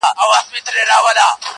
پر پاچا باندي د سر تر سترگو گران وه!!